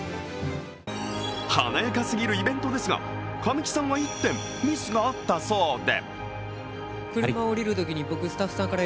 華やかすぎるイベントですが、神木さんは１点ミスがあったそうで。